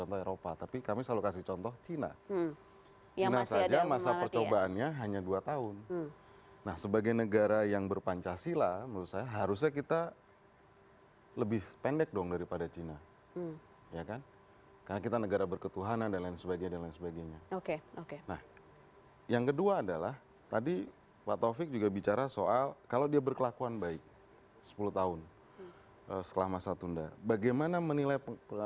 terima kasih terima kasih